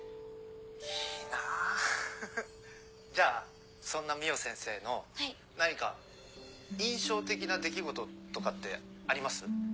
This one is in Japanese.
いいなぁフフっじゃあそんな海音先生の何か印象的な出来事とかってあります？